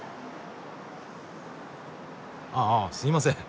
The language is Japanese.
ああすいません。